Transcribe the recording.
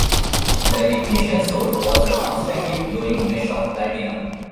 The ignition source was a constantly glowing mesh of platinum.